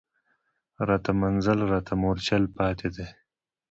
راته منزل راته مورچل پاتي دی